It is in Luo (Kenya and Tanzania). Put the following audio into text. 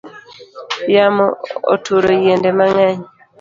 Yamo oturo yiende mangeny